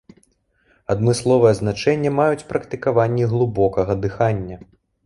Адмысловае значэнне маюць практыкаванні глыбокага дыхання.